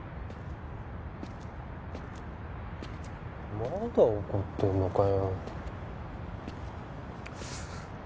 まだ怒ってんのかよ